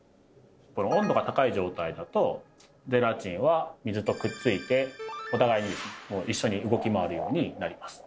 温度が高い状態だとゼラチンは水とくっついてお互いに一緒に動き回るようになります。